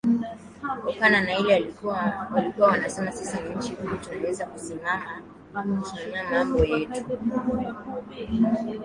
okana na ile walikuwa wanasema sisi ni nchi huru tunaweza kusimamia mambo yetu